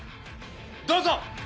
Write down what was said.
どうぞ。